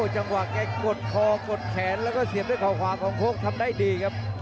จังหวะไก่กดคอกดแขนแล้วก็เสียบด้วยขอก็ทำได้ดีครับ